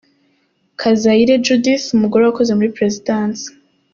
Kazayire Judith, umugore wakoze muri Perezidansi.